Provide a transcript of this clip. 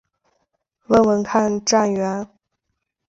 问问看站员